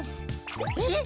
えっ？